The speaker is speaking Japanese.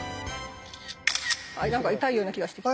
あっ何か痛いような気がしてきた。